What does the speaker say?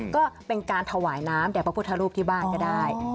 ก็เป็นการถวายน้ำแด่พระพุทธรูปที่บ้านก็ได้